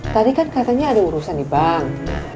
tadi kan katanya ada urusan di bank